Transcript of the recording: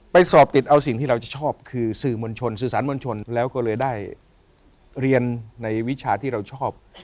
สอบติดเอาสิ่งที่เราจะชอบคือสื่อมวลชนสื่อสารมวลชนแล้วก็เลยได้เรียนในวิชาที่เราชอบ